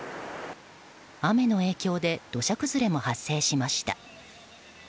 雨の影響で土砂崩れも発生しました。